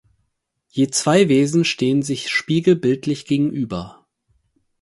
Je zwei Wesen stehen sich spiegelbildlich gegenüber.